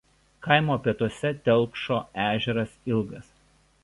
Kaimo pietuose telkšo ežeras Ilgas.